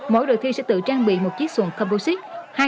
mỗi đội thi sẽ tự trang bị một chiếc xuồng composite